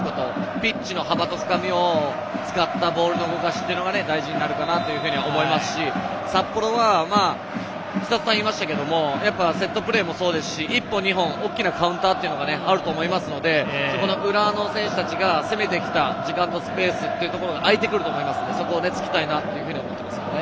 ピッチの幅と深みを使ったボールの動かしが大事になるかなと思いますし札幌は、寿人さんが言いましたがセットプレーもそうですし１本、２本大きなカウンターがあると思いますので浦和の選手たちが攻めてきたら裏のスペースが空いてくると思いますのでそこを突きたいですよね。